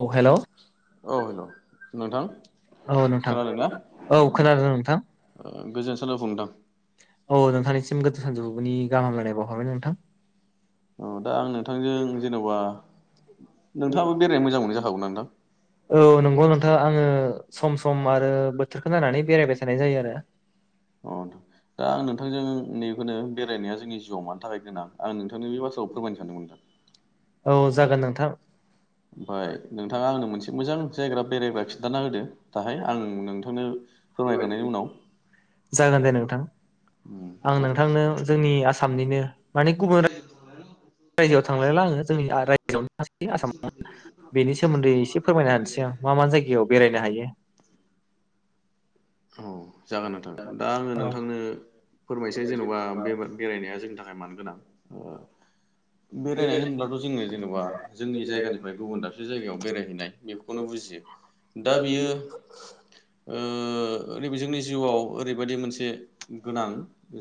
औ हेलौ औ हेलौ नोंथां औ नोंथां खोनादोंना? औ खोनादों नोंथां गोजोन [unintelligible] औ नोंथांनिसिम गोदो सानजौफुनि गाहामलायनाय बावहरबाय नोंथां। औ दा आं नोंथांजों जेनबा नोंथाङाबो बेरायनो मोजां मोनो जाखागौना नोंथां औ नंगौ नोंथाङा आङो सम सम आरो बोथोरखौ नायनानै बेरायबाय थानाय जायो आरो। अ दा आं नोंथांजों नै बे होनो बेरायनाया जोंनि जिउआव मानि थाखाय गोनां आं नोंथांनो बे बाथ्राखौ फोरमायनो सानदोंमोन नोंथां। औ जागोन नोंथां ओमफ्राय नोंथाङा आंनो मोनसे मोजां जायग्रा बेरायबा खिन्थाना होदो दाहाय आं नोंथांनो फोरमायखांनायनि उनाव जागोन दे नोंथां आं नोंथांनो जोंनि आसामनिनो माने गुबुन रायजोआव थांलायला आङो जोंनि रायजोआवनो आसाम बेनि सोमोन्दै एसे फोरमायना होनोसै आं मा मा उम जायगायाव बेरायनो हायो। औ जागोन नोंथां दा आङो नोंथांनो फोरमायसै जेन'बा बे बेरायनाया जोंनि थाखाय मानो गोनां बेरायनाय होनब्लाथ' जोङो जेनबा जोंनि जायगानिफ्राय गुबुन दाबसे जायगायाव बेरायहैनाय बेफोरखौनो बुजियो। दा बेयो ओ ओरै जोंनि जिउआव ओरैबायदि मोनसे गोनां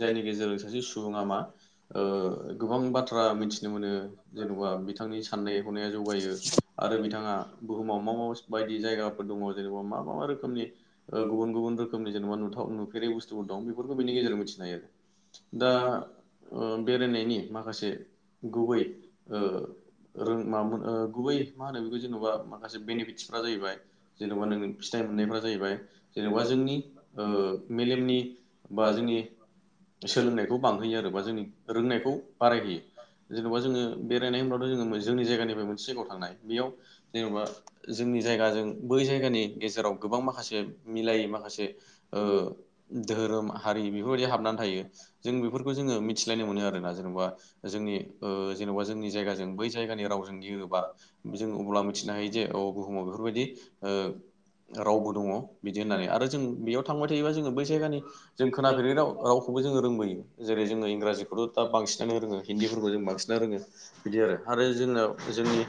जायनि गेजेरजों सासे सुबुङा मा ओ गोबां बाथ्रा मिथिनो जेनबा बिथांनि साननाय हनाया जौगायो आरो बिथाङा बुहुमाव मा मास बायदि जायगाफोर दङ जेनेबा मा मा मा रोखोमनि गुबुन गुबुन रोखोमनि जेनेबा नुथाव नुफेरै बुस्थुफोर दं बेफोरखौ बेनि गेजेराव मिथिनो हायो आरो दा ओ बेरायनायनि माखासे गुबै ओ रों मामोन ओ गुबै मा होनो बेखौ जेन'बा माखासे बेनिफिटसफ्रा जाहैबाय जेन'बा नों फिथाइ मोननायफ्रा जाहैबाय जेनेबा जोंनि ओ मेलेमनि बा जोंनि सोलोंनायखौ बांहोयो आरो बा जोंनि रोंनायखौ बारायहोयो। जेन'बा जोङो बेरायनाय होमबाथ जोङो जोंनि जायगानिफ्राय मोनसे जायगायाव थांनाय बेयाव जेन'बा जोंनि जायगाजों बै जायगानि गेजेराव गोबां माखासे मिलायै माखासे ओ धोरोम हारि बेफोरबायदि हाबनानै थायो जों बेफोरखौ जोङो मिथिलायनायनो मोनो आरोना जेन'बा जोंनि ओ जेन'बा जोंनि जायगाजों बै जायगानि रावजों गिरोबा जों अब्ला मिथिनो हायो जे अ बुहुमाव बेफोरबायदि ओ रावबो दङ। बिदि होननानै आरो जों बेयाव थांबाय थायोबा जोङो बै जायगानि जों खोनाफेरनाय राव रावखौबो जोङो रोंबोयो जेरै जोङो इंराजिखौथ' दा बांसिनानो रोङो। हिन्दीफोरखौ जों बांसिना रोङो बिदि आरो आरो जोंनाव जोंनि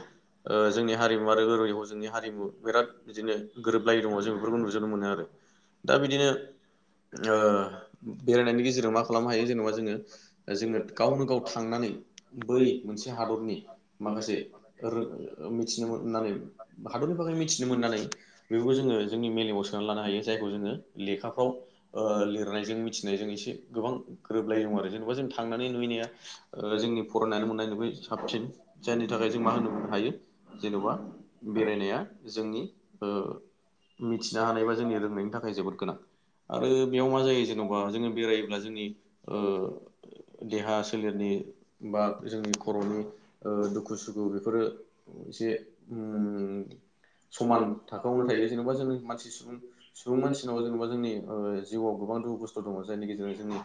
ओ जोंनि हारिमु आरो हरै हजोंनि हारिमु बेराद बिदिनो गोरोबलायि दङ जों बेफोरखौ नु [unintelligible] नो मोनो आरो दा बिदिनो ओ बेरायनायनि गेजेरजों मा खालामनो हायो जेन'बा जोंङो जोंङो गावनो गाव था थांनानै बै मोनसे हादरनि माखासे रो मिथिनो मोननानै हादरनि बागै मिथिनो मोननानै बेफोरखौ जोंङो जोंनि मेलेमाव सो लानो हायो जायखौ जोङो लेखाफ्राव ओ लिरनायजों मिथिनायजों एसे गोबां गोरोबलायि दङ आरो जेन'बा जों थांनानै नुहैनाया ओ जोंनि फरायनानै मोन्नायनिफाय साबसिन जायनि थाखाय जों मा होनो हायो जेन'बा बेरायनाया जोंनि ओ मिथि हानायबा जोंनि रोंनायनि थाखाय जोबोद गोनां आरो बेयाव मा जायो जेन'बा जोंङो बेरायोब्ला जोंनि ओ देहा सोलेर बा जोंनि खर'नि ओ दुखु सुखु बेफोरो एसे उम समान थाखोआवनो थायो जेन'बा जोंङो मान से सुबुं सुबुं मानसिनाव जेन'बा जोंनि ओ जिउआव गोबां दुखु खस्थ दङ जायनि गेजेरजों जोंनि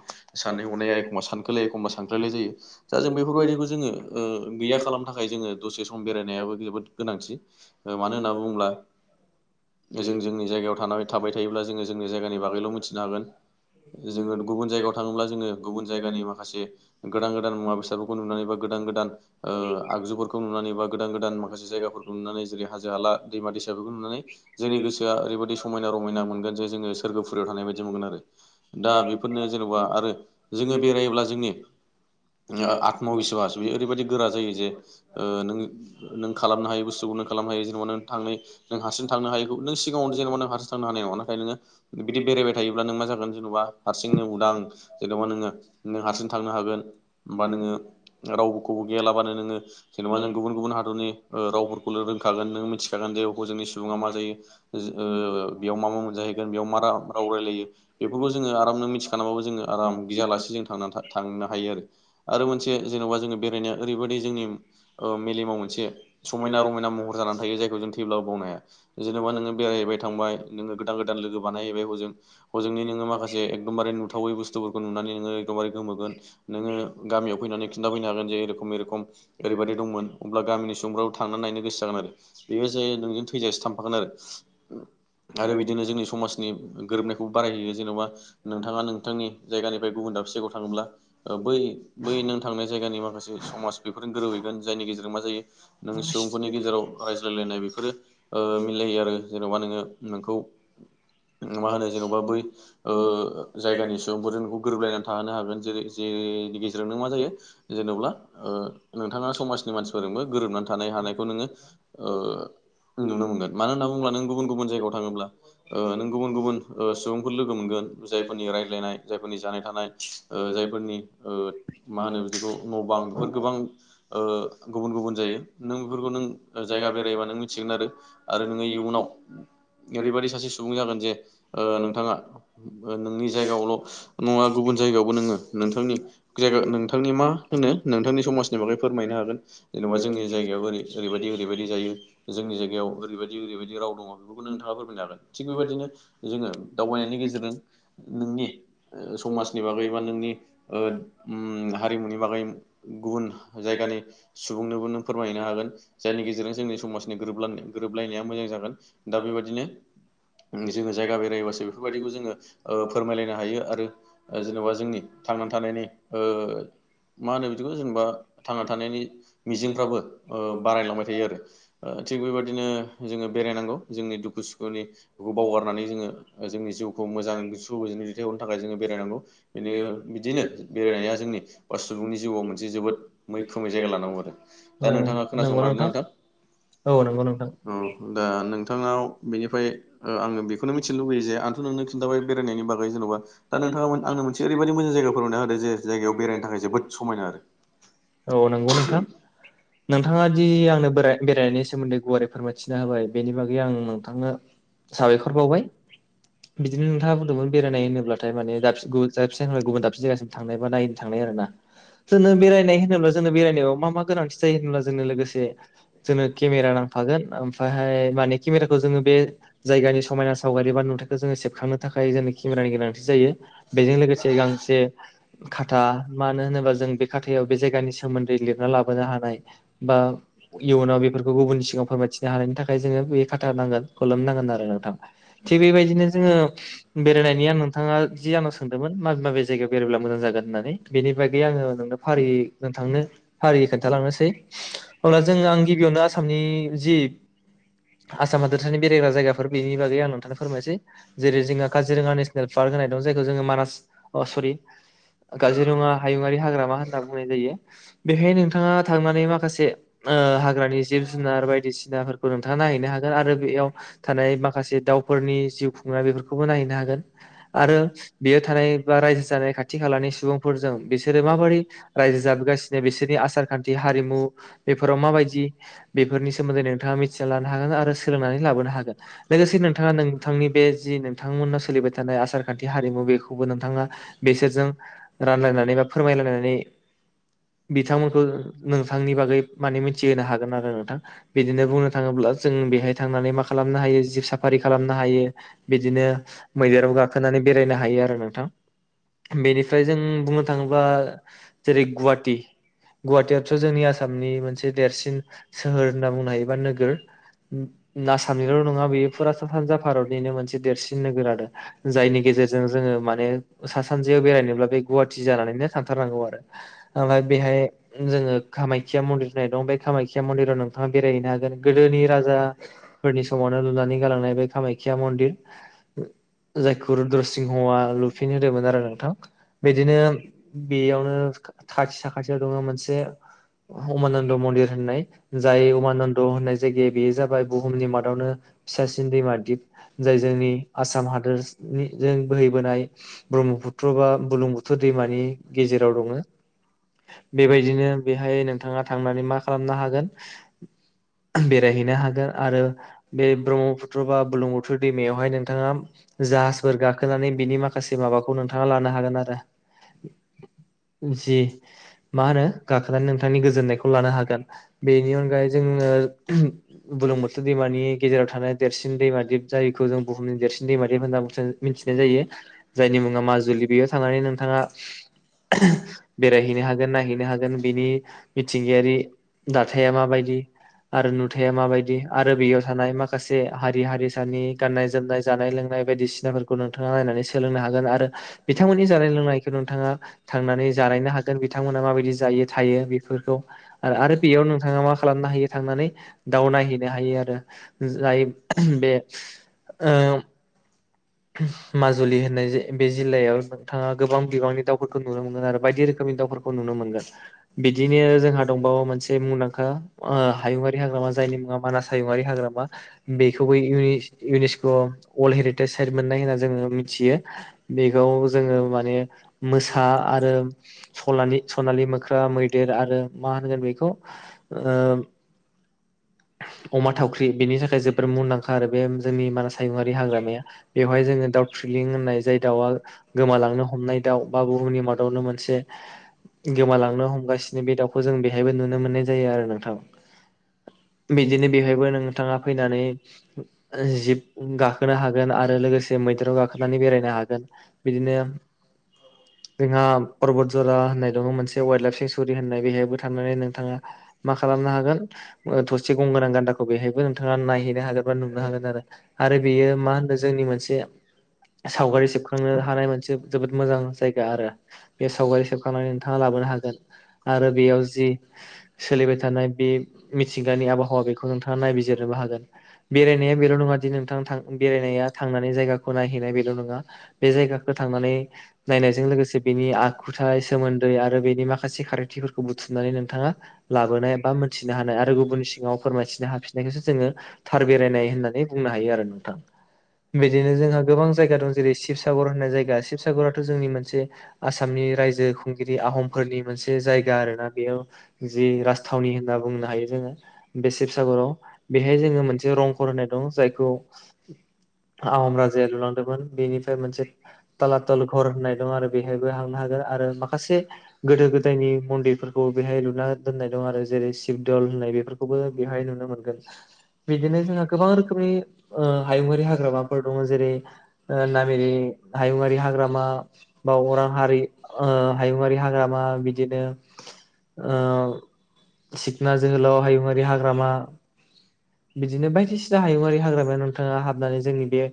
साननाय हनाया एखमब सानखोलाय एखमबा सान [unintelligible] जायो दा जों बेफोरबायदिखौ जोङो ओ गैया खालामनो थाखाय जोङो दसे सम बेरायनायाबो जोबोद गोनांथि ओ मानो होनना बुङोब्ला जों जोंनि जायगायाव थानानै थाबाय थायोब्ला जोंङो जोंनि जायगानि बागैल' मिथिनो हागोन जोङो गुबुन जायगायाव थाङोब्ला जोङो गुबुन जायगानि माखासे गोदान गोदान मुवा बेसादफोरखौ नुनानै बा गोदान गोदान ओ आगजुफोरखौ नुनानै बा गोदान गोदान माखासे जायगाफोरखौ नुनानै जेरै हाजो- हाला, दैमा-दैसाफोरखौ नुनानै जोंनि गोसोआ ओरैबाद दि समायना रमायना मोनगोन जे जोङो सोरगोफुरियाव थानाय बायदि मोनगोन आरो दा बेफोरनो जेनेबा आरो जोङो बेरायोब्ला जोंनि [unintelligible] आत्मबिस्वास बे ओरैबादि गोरा जायो जे ओ नों नों खालामनो हायि बुस्थुखौ नों खालामनो हायो जेनेबा नों थां नों हारसिं थांनो हायिखौ नों सिगाङावनो [unintelligible] नों हारसिं थांनो हानाय नङा ना नोङो बिदि बेरायबाय थायोब्ला नों मा जागोन जेनेबा हारसिंनो उदां जेन'बा नोङो नों हारसिं थांनो हागोन। बा नोङो रावखौबो गियालाबानो नोङो जेनेबा नों गुबुन गुबुन हादरनि ओ रावफोरखौनो रोंखागोन नों मिथिखागोन जे [unintelligible] जोंनि सुबुङा मा जायो। ओज ओ बेयाव मा मा मोनजाहैगोन बेयाव मा रा-राव रायलायो बेफोरखौ जोङो आरामनो मिथिखानाबो जोङो आराम गियालासे जों थांनानै था-थांनो हायो। आरो मोनसे जेन'बा जोङो बेरायनाया ओरैबायदि जोंनि ओ मेलेमाव मोनसे समायना रमायना महर जानानै थायो जायखौ जों थैब्लाबो बावनो हाया जेन'बा नोङो [unintelligible] बाय थांबाय नोङो गोदान गोदान लोगो बानायहैबाय हजों हजोंनि नोङो माखासे एकदमबारे नुथावै बुस्थुफोरखौ नुनानै नोङो एखदमबारे गोमोगोन। गामियाव फैनानै खिन्थाफैनो हागोन जे एरखम एरखम ओरैबायदि दंमोन अब्ला गामिनि सुबुंफ्राव थांनानै नायनो गोसो जागोन आरो बेयो जे नोंजों थैजासे थांफागोन आरो। आरो बिदिनो जोंनि समाजनि गोरोबनायखौ बारायहैयो जेन'बा नोंथाङा नोंथांनि जायगानिफ्राय गुबुन दाबसे जायगायाव थाङोब्ला बै बै नों थांनाय जायगानि माखासे समाज बेफोर गोरोबहैगोन जायनि गेजेरजों मा जायो नों सुबुंफोरनि गेजेराव रायज्लायलायनाय ओ बेफोरो मिलायो आरो। जेनेबा नोंङो नोंखौ मा होनो जेनेबा बै ओ जायगानि सुबुंफोर नोंखौ गोरोबलायनानै थाहोनो हागोन जेरै जेनि गेजेराव नों मा जायो जेनेब्ला ओ नोंथाङा समाजनि मानसिफोरजोंबो गोरोबनानै थानाय हानायखौ नोङो नुनो मोनगोन मानो होनना बुङोब्ला नों गुबुन गुबुन जायगायाव थाङोब्ला ओ नों गुबुन गुबुन सुबुंफोर लोगो मोनगोन जायफोरनि रायलायनाय जायफोरनि जानाय थानाय ओ जायफोर जोंनि ओ मा होनो बिखौ न' बां बेफोर गोबां गुबुन गुबुन जायो नों बेफोरखौ नों जायगा बेरायबा नों मिथिगोन आरो आरो नोंङो इयुनाव ओरैबायदि सासे सुबुं जागोन जे नोंथांङा नोंनि जायगायावल' नङा गुबुन जायगायावबो नोंङो नोंथांनि जायगा नोंथांनि मा होनो नोंथांनि समाजनि बागै फोरमायनो हागोन जेनेबा जोंनि जायगायाव ओरै ओरैबायदि ओरैबायदि जायो जोंनि जायगायाव ओरैबायदि ओरैबायदि राव दङ। बेखौ नोंथांङा फोरमायनो हागोन थिग बेबायदिनो जोंङो दावबायनायनि गेजेरजों नोंनि समाजनि बागै बा नोंनि ओ उम्म हारिमुनि बागै गुबुन जायगानि सुबुंनोबो नों फोरमायहैनो हागोन जायनि गेजेरजों जोंनि समाजनि गोरोबल गोरोबलायनाया मोजां जागोन। दा बेबायदिनो जोंङो जायगा बेरायबासो बेफोरबायदिखौ जोङो फोरमायलायनो हायो आरो जेन'बा जोंनि थांना थानायनि ओ मा होनो बिदिखौ जेनेबा थांना थानायनि मिजिंफ्राबो ओ बारायलांबाय थायो आरो ओ थिग बेबायदिनो जोंङो बेरायनांगौ। जोंनि दुखु सुखुनि बावगारनानै जोङो जोंनि जिउखौ मोजां सुबजोंनो दैथायहरनो थाखाय जोंङो बेरायनांगौ बेनि बिदिनो बेरायनाया जोंनि बा सुबुंनि जिउआव मोनसे जोबोद मैखोमै जायगा लानांगौ आरो दा नोंथाङा औ नंगौ खोनासंलादों नोंथां? औ नंगौ नोंथां दा ङाव बेनिफ्राय आंङो बेखौनो मिथिनो लुबैयो जे आंथ' नोंनो खिन्थाबाय बेरायनायनि बागै जेन'बा दा नोंथांङा मोन आंनो मोनसे ओरैबायदि औ मोजां जायगा फोरमायना होदो जे जायगायाव बेरायनो थाखाय जोबोद समायना आरो नंगौ नोंथां नोंथाङा दि आंनो बेरायनायनि सोमोन्दै गुवारै फोरमायथि जाबाय बेनि बागै आं थाङो साबायखर बावबाय बिदिनो नोंथाङा बुंदोंमोन बेरायनाय होनोब्लाथाय माने दाबसे गो जाबसे गुबुन दाबसे जायगासिमा बा नायनो थांनाय आरो ना। जोंनो बेरायनाय होनोब्ला जोंनो बेरायनायाव मा मा गोनांथि जायो होनोब्ला जोंनो लोगोसे जोंनो केमेरा नांफागोन ओमफ्रायहाय माने केमेराखौ जोंङो बे जायगानि समायना सावगारि बा नुथायइखौ जोंङो सेबखांनो थाखाय जोंनो केमेरानि गोनांथि जायो बेजों लोगोसे जे खाथा मानो होनोबा जों बे खाथायाव बे जायगानि सोमोन्दै लिरना लाबोनो हानाय बा इयुनाव बेफोरखौ गुबुननि सिगाङाव फोरमायथिनो हानायनि थाखाय जोंङो बे खाथा नांगोन खलोम नांगोन आरो नोंथां थिग बेबायदिनो जोंङो बेरायनायनि आं नोंथाङा जि आंनाव सोंदोमोन माबे माबे जायगायाव बेरायब्ला मोजां जागोन होननानै बादि आंङो नोंनो फारियै नोंथांनो फारियै खोनथालांनोसै अब्ला जों आं गिबियावनो आसामनि जि आसाम हादोरसानि बेरायग्रा जायगाफोर बेनि बागै आं नोंथां फोरमायसै जेरै जोंङहा काजिरङा नेसनेल पार्क होनाय दं जायखौ जोङो मानास अ सरि काजिरङा हायुङारि हाग्रामा होनना बुंनाय जायो बेहाय नोंथाङा थांनानै माखासे ओ हाग्रानि जिब जुनार बायदिसिनाफोरखौ नोंथां नायहैनो हागोन आरो बेयाव थानाय माखासे दाावफोरनि जिउ खुंनाय बेफोरखौबो नायहैनो हागोन आरो बेयो थानाय रायजो जानाय खाथि खालानि सुबुंफोरजों बिसोरो माबोरै रायजो जाबोगासिनो बिसोरनि आसार खान्थि हारिमु बेफोराव माबायदि बेफोरनि सोमोन्दै नोंथाङा मिथिना ला हागोन आरो सोलोंनानै लाबोनो हागोन लोगोसे नोंथाङा नोंथांनि बे जि नोंथांमोननाव सोलिबाय थानाय आसार खान्थि हारिमु बेखौबो नों नोंथाङा बेसोरजों रानलायनानै बा फोरमायलायनानै बिथांमोनखौ नोंथांनि बागै माने मिथिहोनो हागोन आरो नोंथां बिदिनो बुंनो थाङोब्ला जों बेहाय थांनानै मा खालामनो हायो जिब साफारि खालामनो हायो बिदिनो मैदेराव गाखोनानै बेरायनो हायो आरो नोंथां। बेनिफ्राय जों बुंनो थाङोबा जेरै गुवाहाटि गुवाहाटियाथ' जोंनि आसामनि मोनसे देरसिन सोहोर होनना बुंनो हायोबा नोगोर। आसामनिल' नङा बेयो फुरा सानजा भारतनिनो मोनसे देरसिन नोगोर आरो जायनि गेजेरजों जोङो माने सा सानजयाव बेरायनोब्ला बे गुवाहाटि जानानैनो थांथारनांगौ आरो ओमफ्राय बेहाय जोङो कामाख्या मन्दिर होननाय दं बे कामाख्या मन्दिराव नोंथाङा बेरायहैनो हागोन गोदोनि राजा फोरनि समावनो लुनानै गालांनाय बे कामाखाख्या मन्दिर जायखौ रुद्रसिंह हौवा फिन होदोंमोन आरो नोंथां बिदिनो बेयावनो खाथि साखाथियाव दङ मोनसे अमानन्द मन्दिर होननाय जाय उमानन्द होननाय जा बेयो जाबाय बुहुमनि मादावनो फिसासिन दैमा दिप जाय जोंनि आसाम हादोरनिजों बोहैबोनाय। ब्रह्मपुत्र बा बुलुं बुथ्र दैमानि गेजेराव दङो बेबायदिनो बेहाय नोंथाङा थांनानै मा खालामनो हागोन बेरायहैनो हागोन आरो बे ब्रह्मपुत्र बा बुलुंबुथुर दैमायावहाय नोंथाङा जाहाजफोर गाखोनानै बिनि माखा खासे माबाखौ नोंथाङा लानो हागोन आरो। जि मा होनो गाखोनानै नोंथांनि गोजोननायखौ लानो हागोन बेनि अनगायै जोङो बुलुं बोथोर दैमानि गेजेराव थानाय देरसिन दैमादिप जायखौ जों बुहुमनि देरसिन दैम दिप होनना बुं मिथिनाय जायो। जायनि मुङा माजुलि बेयाव थांनानै नोंथाङा बेरायहैनो हागोन नायहैनो हागोन बिनि मिथिंगायारि दाथाया माबायदि आरो नुथाया माबायदि आरो बेयाव थानाय माखासे हारि हारिसानि गान्नाय जोमनाय जानाय लोंनाय बायदिसिनाफोरखौ नोंथाङा नायनानै सान सोलोंनो हागोन आरो बिथांमोननि जानाय लोंनायखौ नोंथाङा थांनानै जानाय नो हागोन बिथांमोना माबायदि जायो थायो बेफोरखौ आरो बेयाव नोंथाङा मा खालामनो हायो थांनानै दााव नायहैनो हायो आरो जाय बे माजुलि होननाय बे जिल्लायाव नोंथाङा गोबां बिबांनि दाउफोरखौ नुनो मोनो आरो बायदि रोखोम फोरखौ नुनो मोनगोन बिदिनो जोंहा दंबावो मोनसे मुंदांखा ओ हायुंङारि हाग्रामा जायनि मुङा मानास हायुङारि हाग्रामा बेखौबो इउनेस्कआव वर्ल्ड हेरिटेज साइ मोननाय होनना जोङो मिथियो बेखौ जोङो माने मोसा आरो सनानि सनानि मोख्रा मैदेर आरो मा होनगोन बेखौ ओ अमा थावख्रि बेनि थाखाय जोबोर मुंदांखा आरो बे जोंनि मान सायुङारि हाग्रामाया बेवहाय जोङो दाउ थ्रिलिं होननाय जाय दाउआ गोमालांनो हमनाय दाउ बा बुहुमनि मादावनो मोनसे गोमालांनो हमगासिनो बे दाउखौ जों बेहायबो नुनो मोननाय जायो आरो नोंथां बिदिनो बेवहायबो नोंथाङा फैनानै जिब गाखोनो हागोन आरो लोगोसे मैदेराव गाखोनानै बेरायनो हागोन बिदिनो जोंहा फरबद जरा होननाय दं मोनसे वाइलाइफ सेंसुरि बेहायबो थांनानै नोंथाङा मा खालामनो हागोन ओ थसे से गंगोनां गान्दाखौ बेहायबो नोंथाङा नायहैनो हागोन बा नुनो हागोन आरो आरो बेयो मा होनो जोंनि मोनसे सावगारि सेबखांनो हानाय मोनसे जोबोद मोजां जायगा आरो बे सावगारि सेबखांनानै नोंथाङा लाबोनो हागोन आरो बेयाव जि सोलिबाय थानाय बे मिथिं गानि आबहावा बेखौ नोंथाङा नायबिजिरनोबो हागोन बेरायनाया बेल नङा दि नोंथ बेरायनाया थांनानै जायगाखौ नायहैनाय बेल नङा बे जायगाखौ थांनानै नायनायजों लोगोसे बेनि आखुथाय सोमोन्दै आरो बेनि माखासे खारिथिफोरखौ बु बुथुमनानै नोंथाङा लाबोनाय बा मोनथिनो हानाय आरो गुबुन सिगाङाव फोरमायथिनो हाफिनायखौसो जोङो थार बेरायनाय होननानै बुंनो हायो आरो नोंथां बिदिनो जोंहा गोबां जायगा दं जेरै शिबसागर होननाय जायगा शिबसागराथ जोंनि मोनसे आसामनि रायजो खुंगिरि आहमफोरनि मोनसे जायगा आरोना बेयाव जि राजथावनि होनना बुंनो हायो जोङो बे शिबसागराव बेहाय जोङो मोनसे रंघर होननाय दं जायखौ आहम राजाया लुलांदोंमोन बेनिफ्राय मोनसे तालाथाल घर होननाय दं आरो बेहायबो हांनो हागोन आरो माखासे गोदो गोदायनि मन्दिरफोरखौ बेहाय लुना दोननाय दं आरो जेरै शिब दल होननाय बेफोर खौबो बेवहाय नुनो मोनगोन बिदिनो जोंहा गोबां रोखोमनि ओ हायुआरि हाग्रामाफोर दङ जेरै नामेरि हायुआरि हाग्रामा बा अरां हारि ओ हायुआरि हाग्रामा बिदिनो ओ सिखना जोहोलाव हायुं बे हाग्रामा बिदिनो बायदिसिना हायुंङारि हाग्रामायाव नोंथाङा हाबनानै जोंनि बे